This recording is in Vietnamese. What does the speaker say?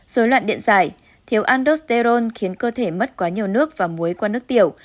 giới loạn điện giải thiếu andosterone khiến cơ thể mất quá nhiều nước và muối qua nước tiểu